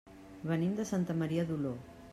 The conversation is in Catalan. Venim de Santa Maria d'Oló.